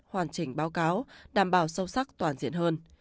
hoàn chỉnh báo cáo đảm bảo sâu sắc toàn diện hơn